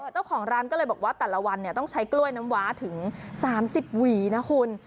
เจ้าของร้านก็เลยบอกว่าแต่ละวันต้องใช้กล้วยน้ำว้าถึง๓๐หวีนะคุณ